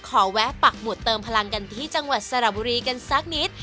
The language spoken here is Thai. แวะปักหมุดเติมพลังกันที่จังหวัดสระบุรีกันสักนิด